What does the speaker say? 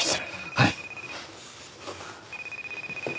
はい。